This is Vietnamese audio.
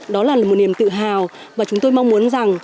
đó là một niềm tự hào và chúng tôi mong muốn rằng